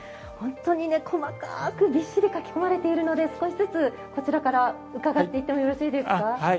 本当に細かくびっしり描き込まれているので少しずつこちらから伺っていってもよろしいですか。